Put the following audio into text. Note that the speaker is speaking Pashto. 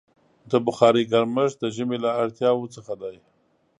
د بخارۍ ګرمښت د ژمي له اړتیاوو څخه دی.